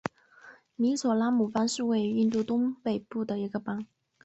米佐拉姆邦是位于印度东北部的一个邦。